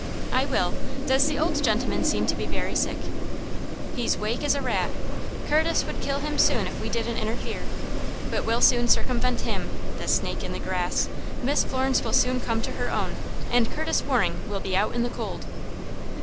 "I will. Does the old gentleman seem to be very sick?" "He's wake as a rat. Curtis would kill him soon if we didn't interfere. But we'll soon circumvent him, the snake in the grass! Miss Florence will soon come to her own, and Curtis Waring will be out in the cold."